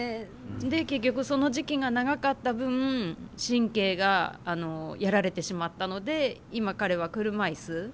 結局その時期が長かった分神経がやられてしまったので今彼は車椅子。